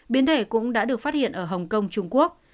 biến thể cũng đã được phát hiện ở hồng kông trung quốc